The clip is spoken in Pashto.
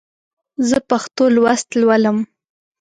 زه پښتو لوست لولم.